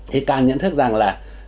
thì càng nhận thức rằng là